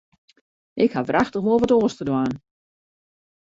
Ik haw wrachtich wol wat oars te dwaan.